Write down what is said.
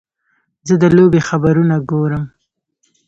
زه د لوبې خبرونه ګورم.